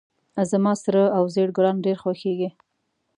زما سره او زیړ ګلان ډیر خوښیږي